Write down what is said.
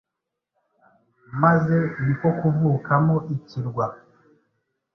maze niko kuvukamo ikirwa